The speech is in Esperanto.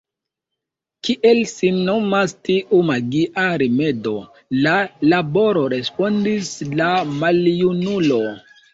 Kiel sin nomas tiu magia rimedo? La laboro, respondis la maljunulo.